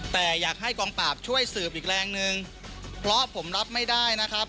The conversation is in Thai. แต่อยากให้กองปราบช่วยสืบอีกแรงหนึ่งเพราะผมรับไม่ได้นะครับ